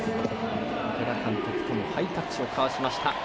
池田監督ともハイタッチをかわしました。